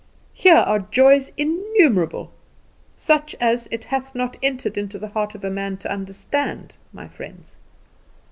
Here are joys innumerable, such as it hath not entered into the heart of man to understand, my friends.